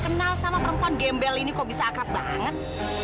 kenal sama perempuan gembel ini kok bisa akrab banget